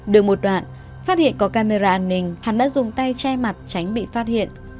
đường một đoạn phát hiện có camera an ninh hắn đã dùng tay che mặt tránh bị phát hiện